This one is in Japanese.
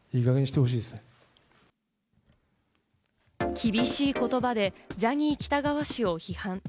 厳しい言葉でジャニー喜多川氏を批判。